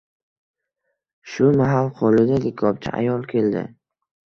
Shu mahal qo‘lida likopcha ayol keldi.